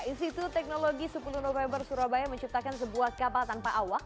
institut teknologi sepuluh november surabaya menciptakan sebuah kapal tanpa awak